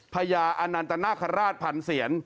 พญาฮราชอันนันตนาคราช๑๐๐๐เสียน